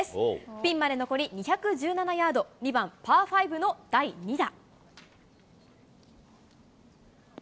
ピンまで残り２１７ヤード、２番パー５の第２打。